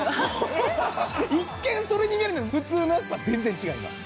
一見それに見える普通のやつとは全然違います